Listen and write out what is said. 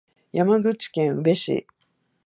山口県宇部市